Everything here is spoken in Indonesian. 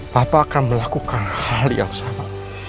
bapak akan melakukan hal yang sama